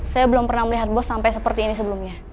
saya belum pernah melihat bos sampai seperti ini sebelumnya